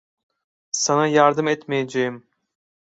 Sana yardım etmeyeceğim.